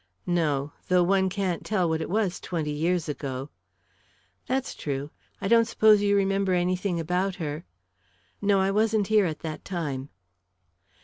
"No; though one can't tell what it was twenty years ago." "That's true. I don't suppose you remember anything about her?" "No; I wasn't here at that time."